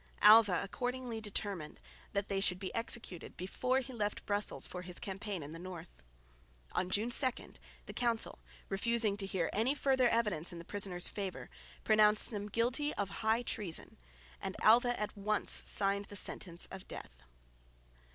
Alva accordingly determined that they should be executed before he left Brussels for his campaign in the north. On June 2, the council, after refusing to hear any further evidence in the prisoners' favour, pronounced them guilty of high treason; and Alva at once signed the sentences of death.